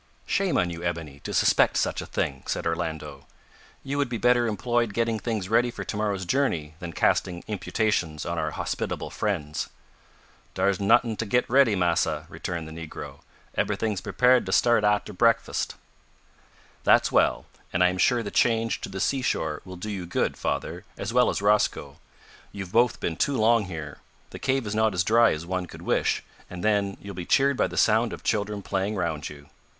"Shame on you, Ebony, to suspect such a thing!" said Orlando. "You would be better employed getting things ready for to morrow's journey than casting imputations on our hospitable friends." "Dar's not'ing to git ready, massa," returned the negro. "Eberyting's prepared to start arter breakfust." "That's well, and I am sure the change to the seashore will do you good, father, as well as Rosco. You've both been too long here. The cave is not as dry as one could wish and, then, you'll be cheered by the sound of children playing round you."